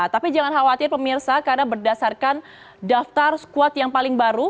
tapi jangan khawatir pemirsa karena berdasarkan daftar squad yang paling baru